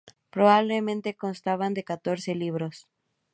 Probablemente constaban de catorce libros.